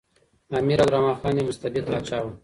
امیر عبدالرحمن خان یو مستبد پاچا و.